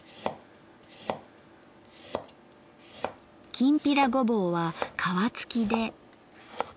きんぴらごぼうは皮付きで。